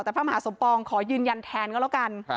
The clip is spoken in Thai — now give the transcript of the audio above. แต่พระมหาสมปองขอยืนยันแทนก็แล้วกัน